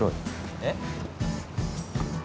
えっ？